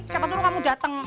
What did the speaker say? siapa suruh kamu dateng